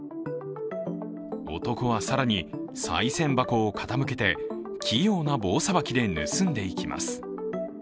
男は更にさい銭箱を傾けて、器用な棒さばきで盗んでいきます。